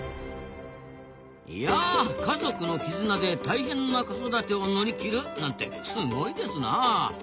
いやあ家族の絆で大変な子育てを乗り切るなんてすごいですなあ。